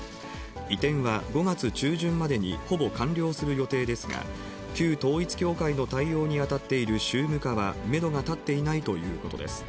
移転は５月中旬までにほぼ完了する予定ですが、旧統一教会の対応に当たっている宗務課はメドが立っていないということです。